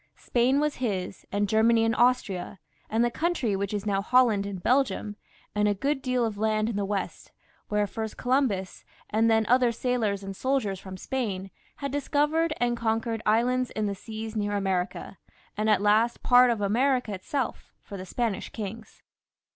Spain was his, and Germany and Austria, and the country which is now Holland and Belgium, and a 238 FRANCIS I. [CH. good deal of land in the west, where first Columbus, and then other sailors and soldiers from Spain, had discovered and conquered islands in the seas near America, and at last part of America itself, for the Spanish kings.